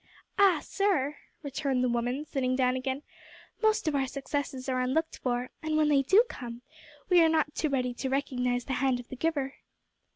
"Ah! sir," returned the woman, sitting down again, "most of our successes are unlooked for, and, when they do come, we are not too ready to recognise the hand of the Giver."